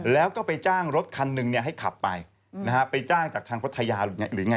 แล้วก็ไปจ้างรถคันหนึ่งให้ขับไปนะฮะไปจ้างจากทางพัทยาหรือไง